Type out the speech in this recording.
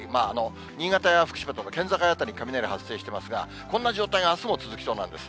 新潟や福島との県境辺りに雷発生してますが、こんな状態があすも続きそうなんです。